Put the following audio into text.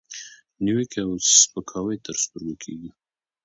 نیوکې او سپکاوي تر سترګو کېږي،